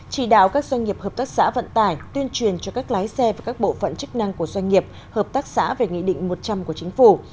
chỉ đạo các doanh nghiệp hợp tác xã vận tải tuyên truyền cho các lái xe và các bộ phận chức năng của doanh nghiệp hợp tác xã về nghị định một trăm linh của chính phủ